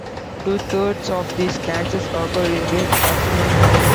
Two-thirds of these cancers occur in the proximal colon.